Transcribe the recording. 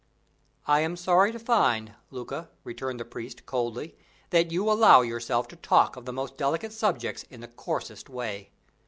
"I am sorry to find, Luca," returned the priest, coldly, "that you allow yourself to talk of the most delicate subjects in the coarsest way.